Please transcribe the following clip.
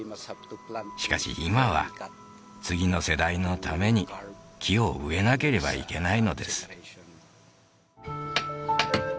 しかし今は次の世代のために木を植えなければいけないのです